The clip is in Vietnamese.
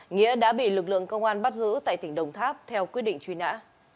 nghĩa đã bị lực lượng công an bắt giữ tại tỉnh đồng tháp theo quyết định truy nã